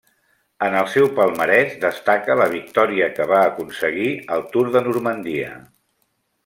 En el seu palmarès destaca la victòria que va aconseguir al Tour de Normandia.